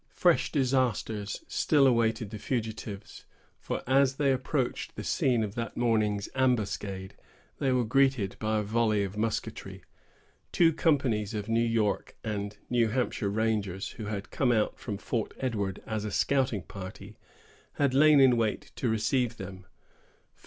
Fresh disasters still awaited the fugitives; for, as they approached the scene of that morning's ambuscade, they were greeted by a volley of musketry. Two companies of New York and New Hampshire rangers, who had come out from Fort Edward as a scouting party, had lain in wait to receive them.